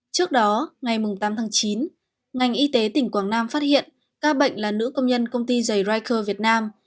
trước đó ngày tám tháng chín ngành y tế tỉnh quảng nam phát hiện ca bệnh là nữ công nhân công ty giày rycher việt nam